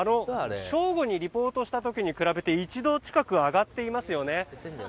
正午にリポートした時に比べて１度近く上がっていますよね。